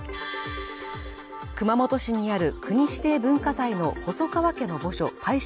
熊本市にある国指定文化財の細川家の墓所泰勝